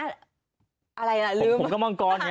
อะไรละลืม